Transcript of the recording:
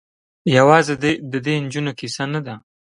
یوازې د دې نجونو کيسه نه ده.